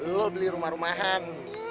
lo beli rumah rumahan